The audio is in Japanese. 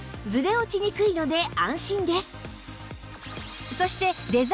ずれ落ちにくいので安心です